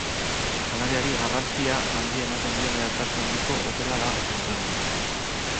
Janariari garrantzia handia ematen dion edertasun handiko hotela da gaur egun.